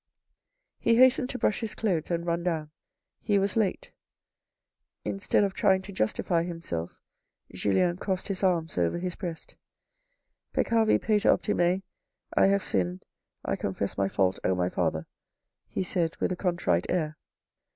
He hastened to brush his clothes and run down. He was late. Instead of trying to justify himself Julien crossed his arms over his breast. " Peccavi pater optime (I have sinned, I confess my fault, oh, my father)," he said with a contrite air.